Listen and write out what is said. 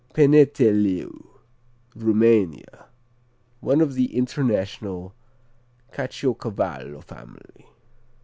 Peneteleu Rumania One of the international Caciocavallo family.